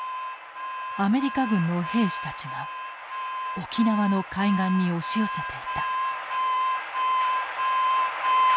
アメリカ軍の兵士たちが沖縄の海岸に押し寄せていた。